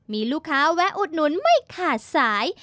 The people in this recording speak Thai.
มีลูกค้าแวะอุดหนุนไม่ขาดสาย